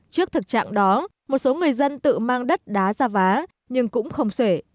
trước thực trạng đó một số người dân tự mang đất đá ra vá nhưng cũng không xuể